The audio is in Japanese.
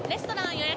予約？